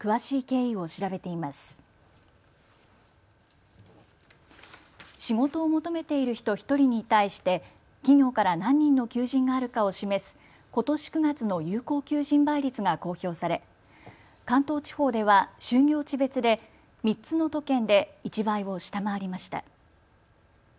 仕事を求めている人１人に対して企業から何人の求人があるかを示すことし９月の有効求人倍率が公表され関東地方では就業地別で３つの都県で１倍を下回りました。